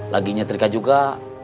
lagi nyetrika juga